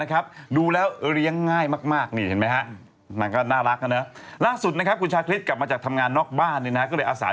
คิดดูเองละกันช่วงหน้า